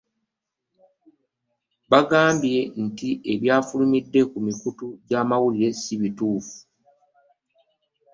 Agambye nti, ebyafulumidde mu mikutu gy'amawulire si bituufu